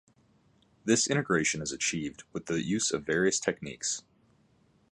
This integration is achieved with the use of various techniques.